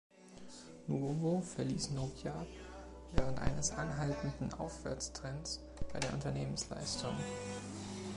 Nuovo verließ Nokia während eines anhaltenden Aufwärtstrends bei der Unternehmensleistung.